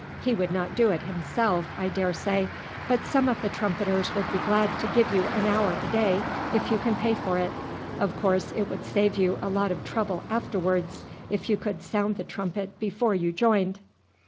He would not do it himself, I daresay, but some of the trumpeters would be glad to give you an hour a day if you can pay for it. Of course it would save you a lot of trouble afterwards if you could sound the trumpet before you joined."